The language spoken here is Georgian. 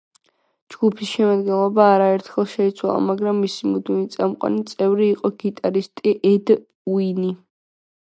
ჯგუფის შემადგენლობა არაერთხელ შეიცვალა, მაგრამ მისი მუდმივი წამყვანი წევრი იყო გიტარისტი ედ უინი.